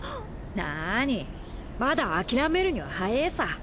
なあにまだ諦めるには早ぇさ。